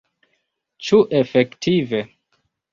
Ĉu efektive?